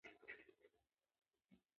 ځان جذاب ګاڼه.